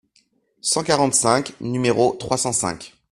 cent quarante-cinq, nº trois cent cinq).